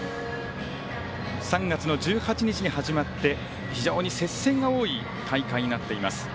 ３月の１８日に始まって非常に接戦が多い大会になっています。